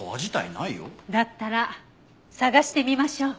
だったら捜してみましょう。